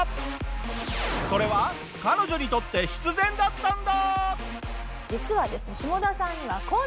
それは彼女にとって必然だったんだ！